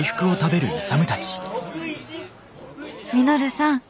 「稔さん。